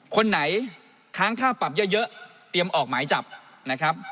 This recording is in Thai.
คนไหนค้างค่าปรับเยอะเตรียมออกหมายจับนะครับ